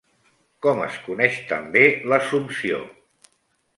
Com es coneix també l'Assumpció?